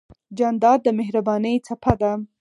جانداد د مهربانۍ څپه ده.